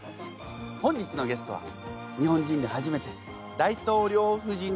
本日のゲストは日本人で初めて大統領夫人になったこの方！